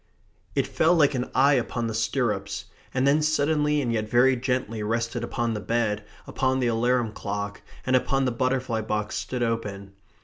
It fell like an eye upon the stirrups, and then suddenly and yet very gently rested upon the bed, upon the alarum clock, and upon the butterfly box stood open.